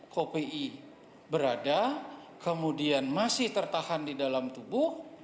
kopi berada kemudian masih tertahan di dalam tubuh